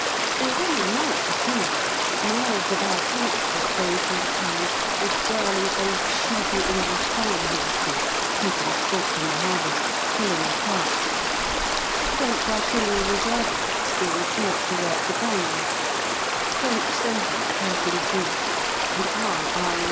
There is any amount to see miles of our Transport going through the town with burly old shaggy English farm horses, taken straight from the harvest, pulling the carts; French Artillery Reservists being taught to work the guns; French soldiers passing through; and our R.E.